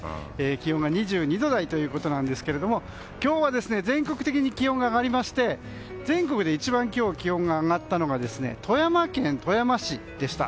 気温が２２度台ということですが今日は全国的に気温が上がって全国で一番今日気温が上がったのが富山県富山市でした。